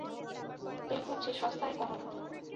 প্রেম হচ্ছে সস্তা এক অনুভূতি!